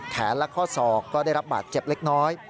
และข้อศอกก็ได้รับบาดเจ็บเล็กน้อย